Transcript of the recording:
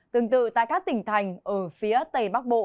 tương tự tại các tỉnh thành ở phía tây bắc bộ